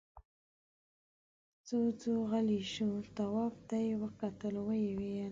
جُوجُو غلی شو، تواب ته يې وکتل، ويې ويل: